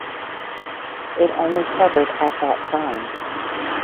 It only covered at that time.